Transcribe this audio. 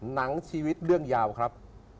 หนังชีวิตเรื่องยาวครับ